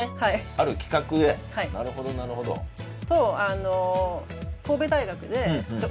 ある企画ではいなるほどなるほど銭湯？